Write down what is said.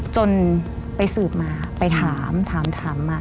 จนไปสืบมาไปถามถามมา